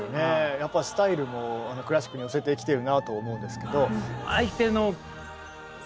やっぱりスタイルもクラシックに寄せてきてるなと思うんですけど。